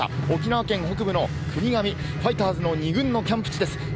沖縄県北部の国頭、ファイターズの２軍のキャンプ地です。